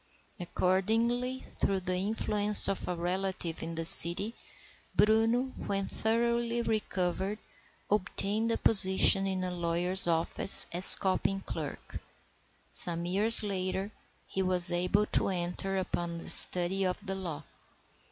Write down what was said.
Accordingly, through the influence of a relative in the city, Bruno, when thoroughly recovered, obtained a position in a lawyer's office as copying clerk. Some years later he was able to enter upon the study of the law.